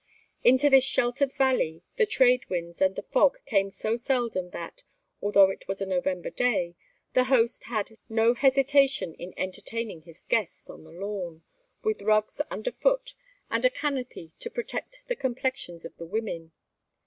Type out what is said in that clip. Into this sheltered valley the trade winds and the fog came so seldom that, although it was a November day, the host had no hesitation in entertaining his guests on the lawn, with rugs under foot and a canopy to protect the complexions of the women.